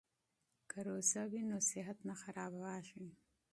که روژه وي نو صحت نه خرابیږي.